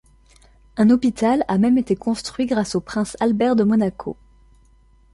Un hôpital a même été construit grâce au prince Albert de Monaco.